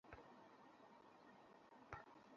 আপনি কোনো ভয়েই পিছপা হন না।